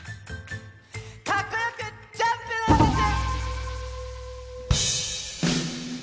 「かっこよくジャンプ！」のじゅつ。